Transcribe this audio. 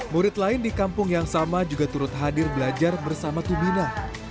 murid lain di kampung yang sama juga turut hadir belajar bersama tumina